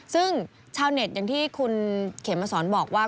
ซึ่งชาวเน็ตอย่างที่คุณเขมสอนบอกว่า